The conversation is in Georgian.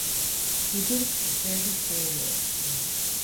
ბუდობს ხეების ფუღუროებში.